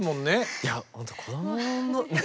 いやほんと子どものね